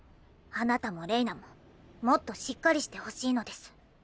あなたもれいなももっとしっかりしてほしいのです。